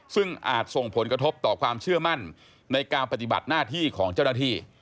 ซึ่งอาจส่งผลกระทบต่อความเชื่อมั่นในการปฏิบัติหน้าที่ของเจ้าหน้าที่